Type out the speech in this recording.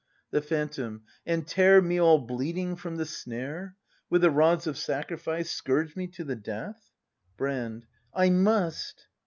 The Phantom. And tear Me all bleeding from the snare ? With the rods of sacrifice Scourge me to the death.? Brand. I must.